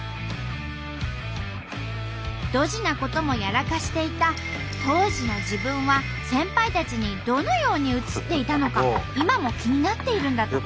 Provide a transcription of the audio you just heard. ドジなこともやらかしていた当時の自分は先輩たちにどのように映っていたのか今も気になっているんだとか。